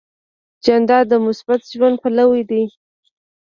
جانداد د مثبت ژوند پلوی دی.